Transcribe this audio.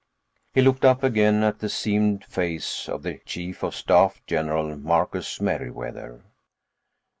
He looked up again at the seamed face of the Chief of Staff, General Marcus Meriwether.